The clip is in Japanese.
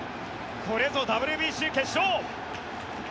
これぞＷＢＣ決勝！